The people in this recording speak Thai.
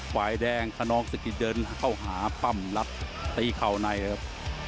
ปลายแดงคนนองซึกอย่าเดินเข้าหาค่ำรักตีเข้าในครับ